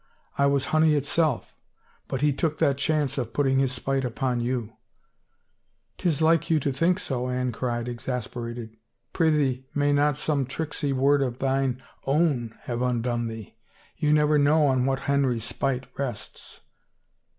I was honey itself. But he took that chance of putting his spite upon you —" Tis like you to think so," Anne cried exasperated. Prithee may not some tricksy word of thine own have undone thee? You never know on what Henry's spite rests